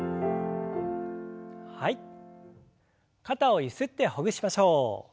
肩をゆすってほぐしましょう。